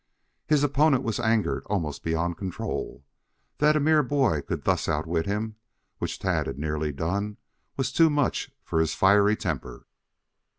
His opponent was angered almost beyond control. That a mere boy could thus outwit him, which Tad had neatly done, was too much for his fiery temper.